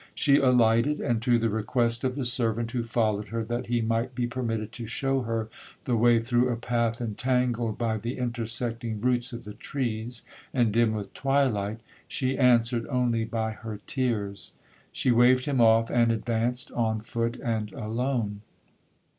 She alighted, and to the request of the servant who followed her, that he might be permitted to shew her the way through a path entangled by the intersecting roots of the trees, and dim with twilight, she answered only by her tears. She waved him off, and advanced on foot and alone.